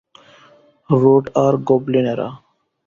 Root আর গবলিনেরা?